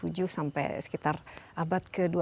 ini pada abad ke tujuh sampai sekitar abad ke dua abad ini